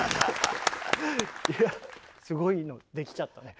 いやすごいのできちゃったね。